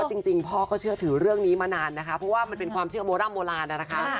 จริงพ่อก็เชื่อถือเรื่องนี้มานานนะคะเพราะว่ามันเป็นความเชื่อโบร่ำโบราณนะคะ